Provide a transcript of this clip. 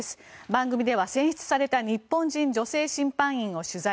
番組では選出された日本人女性審判員を取材。